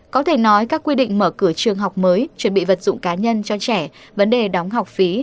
có thể nói các quy định mở cửa trường học mới chuẩn bị vật dụng cá nhân cho trẻ vấn đề đóng học phí